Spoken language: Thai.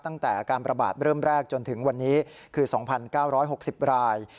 ตั้งแต่การประบาดเริ่มแรกจนถึงวันนี้คือ๒๙๖๐ราย